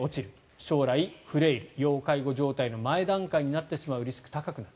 将来、フレイル要介護状態の前段階になってしまうリスクが高くなる。